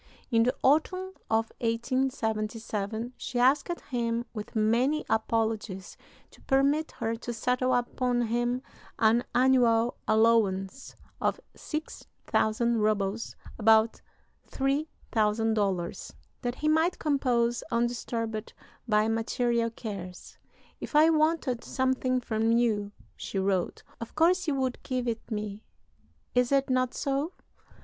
In the autumn of 1877 she asked him, with many apologies, to permit her to settle upon him an annual allowance of 6000 rubles (about $3000), that he might compose undisturbed by material cares. "If I wanted something from you," she wrote, "of course you would give it me is it not so?